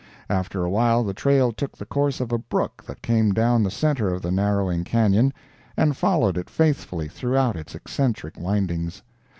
After a while the trail took the course of a brook that came down the center of the narrowing canyon, and followed it faithfully throughout its eccentric windings.